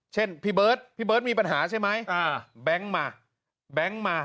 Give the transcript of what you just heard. เช่นพี่เบิร์ตพี่เบิร์ตมีปัญหาใช่ไหมแบงก์มา